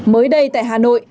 mới đây tại hà nội